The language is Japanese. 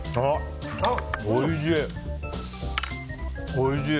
おいしい。